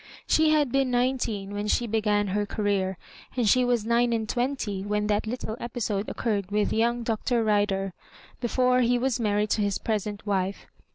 She had been nineteen when she began her career, and she was nine and twenty when that little episode occurred with young Dr. Rider, before he was married to his present wife.